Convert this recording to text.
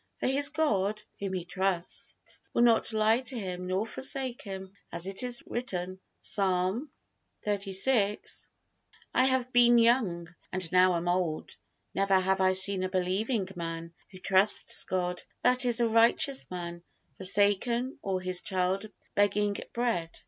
For his God, Whom he trusts, will not lie to him nor forsake him, as it is written, Psalm xxxvii: "I have been young, and now am old; never have I seen a believing man, who trusts God, that is a righteous man, forsaken, or his child begging bread."